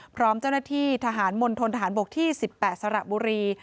พร้อมเจ้าหน้าที่ทหารมณฑนทหารบกที่๑๘สระบุรี